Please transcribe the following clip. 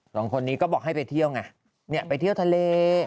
สองคนนี้ก็บอกให้ไปเที่ยวไงเนี่ยไปเที่ยวทะเล